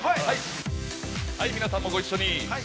はい、皆さんもご一緒に。